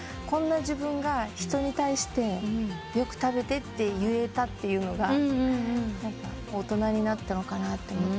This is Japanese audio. こんな自分が人に対して「よく食べて」って言えたというのが大人になったのかなって。